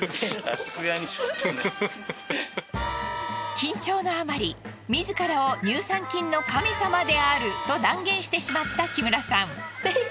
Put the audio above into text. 緊張のあまり自らを乳酸菌の神様であると断言してしまった木村さん。